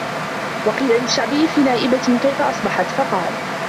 وَقِيلَ لِلشَّعْبِيِّ فِي نَائِبَةٍ كَيْفَ أَصْبَحْت ؟ قَالَ